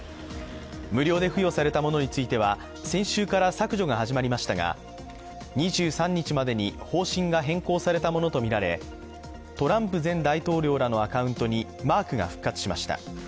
無料で付与されたものについては先週から削除が始まりましたが２３日までに方針が変更されたものとみられトランプ前大統領らのアカウントにマークが復活しました。